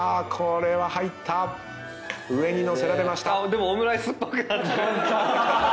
でもオムライスっぽくなってきた。